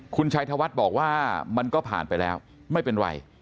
คุณชัยธวัฒน์บอกว่ามันก็ผ่านไปแล้วไม่เป็นไร